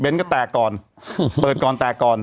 ก็แตกก่อนเปิดก่อนแตกก่อน